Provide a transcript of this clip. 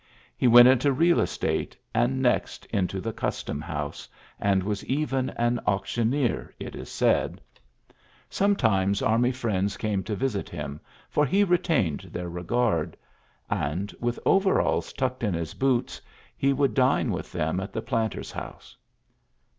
He went into real estate, { next into the custom house, and ^ even an auctioneer, it is said. Soi ULYSSES S. GEANT 29 times army Mends came to visit him^ for lie retained their regard ; and, with overalls tucked in his boots, he would dine with them at the Planter's House.